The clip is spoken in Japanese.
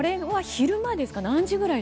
昼間です。